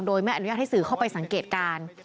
โดยไม่อนุญาตให้สื่อเข้าไปสังเกตการณ์